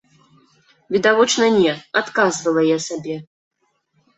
Відавочна не, адказвала я сабе.